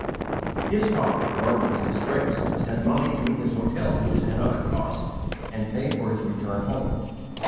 His father learned of his disgrace and sent money to meet his hotel dues and other "costs" and pay for his return home.